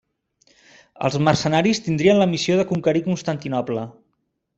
Els mercenaris tindrien la missió de conquerir Constantinoble.